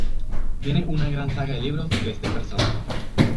Tiene una gran saga de libros de este personaje.